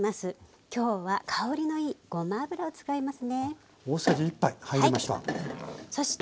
今日は香りのいいごま油を使いますね。